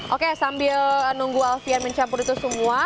oke sambil nunggu alfian mencampur itu semua